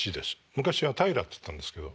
昔は平っていったんですけど。